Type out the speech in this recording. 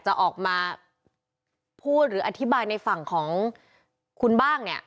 จะออกมาพูดหรืออธิบายในฝั่งของคุณบ้างเนี่ย